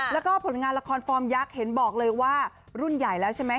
แล้วก็ผลงานละครฟอร์มยักษ์เห็นบอกเลยว่ารุ่นใหญ่แล้วใช่ไหม